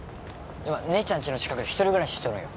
今姉ちゃんちの近くで一人暮らししとるんよ